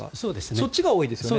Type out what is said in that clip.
そっちが多いですよね。